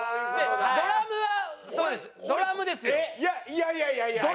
いやいやいやいや。